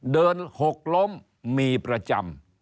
เดินหกล้มมีประจำ